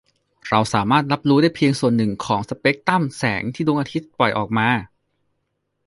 เราสามารถรับรู้ได้เพียงส่วนหนึ่งของสเปกตรัมแสงที่ดวงอาทิตย์ปล่อยออกมา